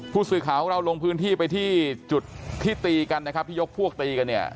ผู้สื่อข่าวของเราลงพื้นที่ไปที่จุดที่ตีกันนะครับที่ยกพวกตีกันเนี่ย